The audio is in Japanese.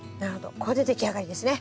これで出来上がりですね。